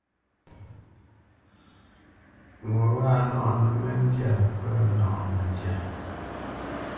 Ŋo wâ kâʼ a nɔʼnə́ məndyâ pə̂ nɔʼnə məndyâ.